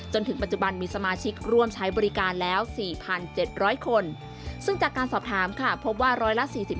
จนถึงปัจจุบันมีสมาชิกร่วมใช้บริการแล้ว๔๗๐๐คนซึ่งจากการสอบถามค่ะพบว่าร้อยละ๔๕